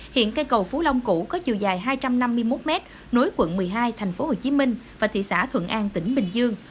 hiện cây cầu phú long cũ có chiều dài hai trăm năm mươi một m nối quận một mươi hai tp hcm và thị xã thuận an tỉnh bình dương